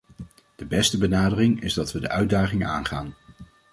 De beste benadering is dat we de uitdagingen aangaan.